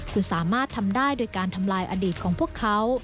คุณสามารถทำได้โดยการทำลายอดีตของพวกเขา